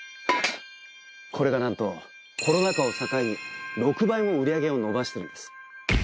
これがなんとコロナ禍を境に６倍も売り上げを伸ばしてるんです。